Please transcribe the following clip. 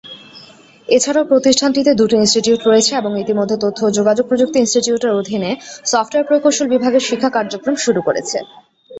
এছাড়াও প্রতিষ্ঠানটিতে দুটি ইন্সটিটিউট রয়েছে এবং ইতিমধ্যে তথ্য ও যোগাযোগ প্রযুক্তি ইন্সটিটিউটের অধিনে সফটওয়্যার প্রকৌশল বিভাগের শিক্ষা কার্যক্রম শুরু করেছে।